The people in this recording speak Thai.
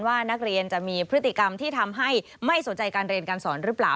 ว่านักเรียนจะมีพฤติกรรมที่ทำให้ไม่สนใจการเรียนการสอนหรือเปล่า